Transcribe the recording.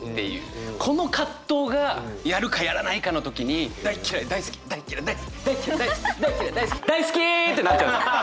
この葛藤がやるかやらないかの時に大っ嫌い大好き大っ嫌い大好き大っ嫌い大好き大っ嫌い大好き大好き！ってなっちゃうんです